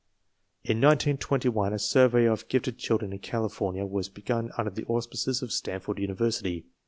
In 1921 a survey of gifted children in California was begun under the auspices of Stanford University.